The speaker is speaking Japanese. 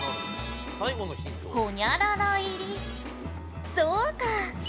「ホニャララ入りそうか！」